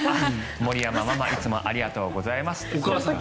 森山ママいつもありがとうございます。